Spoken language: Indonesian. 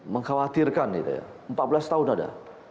mengkhawatirkan empat belas tahun ada